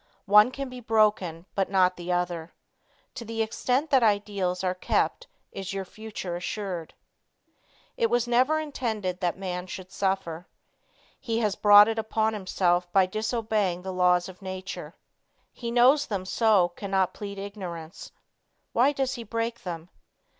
One can be broken, but not the other. To the extent that ideals are kept is your future assured. It was never intended that man should suffer. He has brought it upon himself by disobeying the laws of nature. He knows them so cannot plead ignorance. Why does he break them?